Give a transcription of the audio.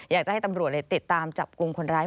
อยากจะให้ตำรวจติดตามจับกลุ่มคนร้าย